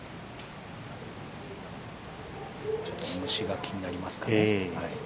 ちょっと虫が気になりますかね。